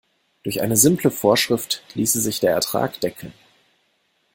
Durch eine simple Vorschrift ließe sich der Ertrag deckeln.